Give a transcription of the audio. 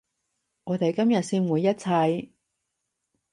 我哋今日先會一齊